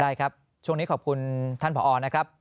ได้ครับช่วงนี้ขอบคุณท่านผอนะครับ